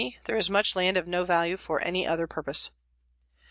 There is much land of no value for any other purpose.